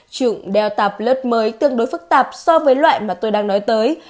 chủng delta plus mới tương đối phức tạp so với loại mà tôi đang nói tới